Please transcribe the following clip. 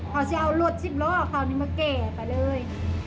เขาจะเอารถสิบล้อคราวนี้มาแก่ไปเลย